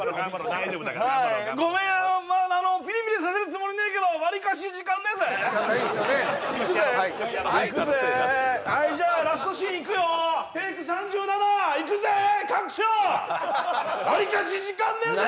大丈夫だから頑張ろうごめんあのピリピリさせるつもりねえけどわりかし時間ねえぜ時間ないですよねいくぜいくぜはいじゃあラストシーンいくよテイク３７いくぜ各所わりかし時間ねえぜ！